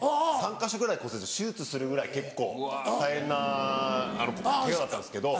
３か所ぐらい骨折して手術するぐらい結構大変なケガだったんですけど。